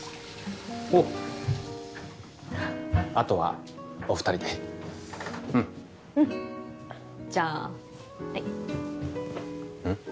おうあとはお二人でうんうんじゃあはいうん？